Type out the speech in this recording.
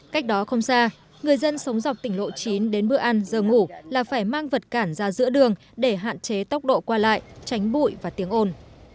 cách đó không xa người dân sống dọc tỉnh lộ chín đến bữa ăn giờ ngủ là phải mang vật cản ra giữa đường để hạn chế tốc độ qua lại tránh bụi và tiếng ồn